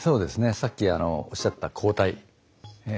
さっきおっしゃった抗体。